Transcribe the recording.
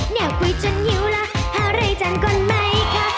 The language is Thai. เนี่ยปุ๊ยฉันหี้วล่ะพาเรื่อยจานก่อนไหมคะ